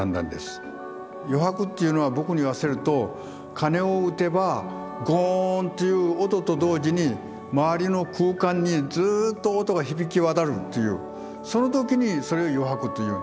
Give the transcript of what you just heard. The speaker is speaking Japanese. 余白っていうのは僕に言わせると鐘を打てばゴーンという音と同時に周りの空間にずっと音が響き渡るっていうその時にそれを余白と言う。